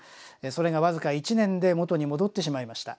それが僅か１年で元に戻ってしまいました。